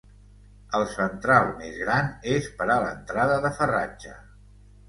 El central més gran és per a l'entrada de farratge.